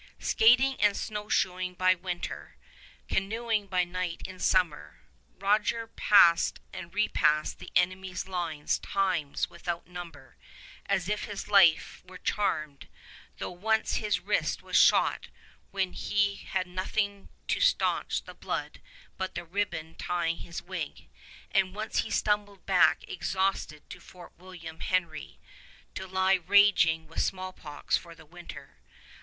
Skating and snowshoeing by winter, canoeing by night in summer, Rogers passed and repassed the enemy's lines times without number, as if his life were charmed, though once his wrist was shot when he had nothing to stanch the blood but the ribbon tying his wig, and once he stumbled back exhausted to Fort William Henry, to lie raging with smallpox for the winter.